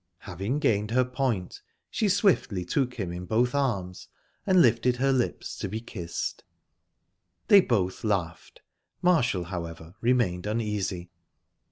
Having gained her point, she swiftly took him in both arms, and lifted her lips to be kissed. They both laughed...Marshall, however, remained uneasy.